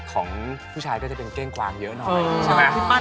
ช่อนก็จะเป็นเก้งกวางเยอะ